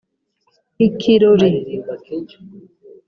Ikirori